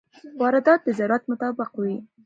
واردات د ضرورت مطابق وي.